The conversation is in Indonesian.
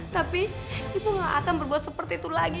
tapi kita gak akan berbuat seperti itu lagi